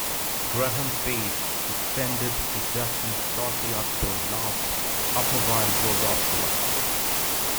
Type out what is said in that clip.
Graham-Paige suspended production shortly after the last Hupmobile rolled off the line.